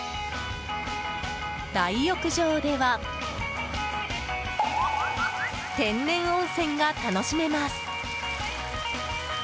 大浴場では天然温泉が楽しめます。